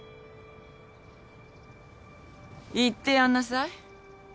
言ってやんなさい。